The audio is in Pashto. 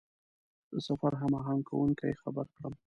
د سفر هماهنګ کوونکي خبر کړم.